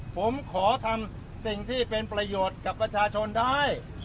ผมขอทำสิ่งที่เป็นประโยชน์กับประชาชนได้